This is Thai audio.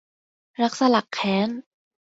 รักสลักแค้น